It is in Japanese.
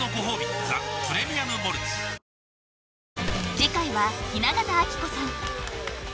次回は雛形あきこさん